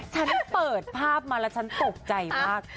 ฉันเปิดภาพมาแล้วฉันตกใจมาก